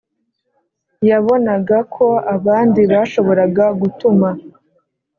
yabonaga ko abandi bashoboraga gutuma